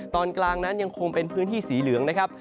ตอนกลางนั้นยังคงเป็นพื้นที่สีเหลืองนะครับ